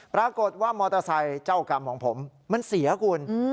ปรากฏว่ามอเตอร์ไซค์เจ้ากรรมของผมมันเสียคุณ